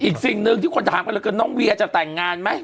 อีกสิ่งนึงที่คนถามกันก็เวียจะแต่งงานไหม